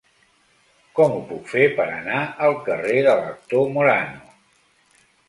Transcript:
Com ho puc fer per anar al carrer de l'Actor Morano?